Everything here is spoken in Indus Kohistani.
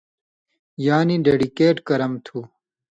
یعنی ڈیڈِکیٹ کرَم تُھو